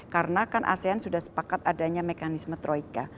karena kan asean sudah sepakat adanya mekanisme troika